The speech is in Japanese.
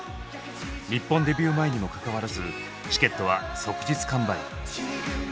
日本デビュー前にもかかわらずチケットは即日完売。